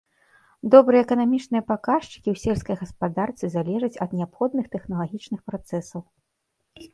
Добрыя эканамічныя паказчыкі ў сельскай гаспадарцы залежаць ад неабходных тэхналагічных працэсаў.